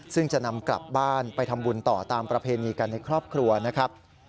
ซึ่งจะนำกลับบ้านไปทำบุญต่อตามประเพณีกันในครอบครัวนะครับ